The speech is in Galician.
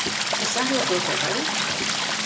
¿E sabe o que ocorreu?